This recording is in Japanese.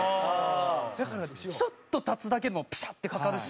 だからちょっと立つだけでもピシャッてかかるし。